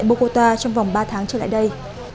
cảnh sát trưởng thành phố bogota trong vòng ba tháng trở lại đây